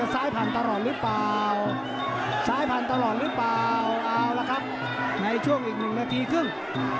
ซ้ายผ่านตลอดหรือเปล่าเอาละครับในช่วงอีก๑นาทีครึ่ง